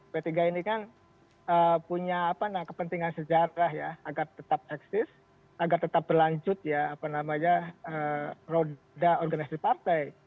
p tiga ini kan punya kepentingan sejarah ya agar tetap eksis agar tetap berlanjut ya apa namanya roda organisasi partai